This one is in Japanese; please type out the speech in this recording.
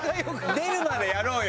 出るまでやろうよじゃあ。